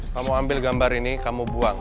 kamu ambil gambar ini kamu buang